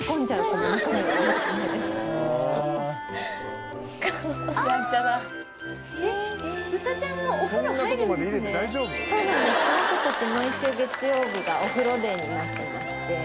この子たち毎週月曜日がお風呂デーになってまして。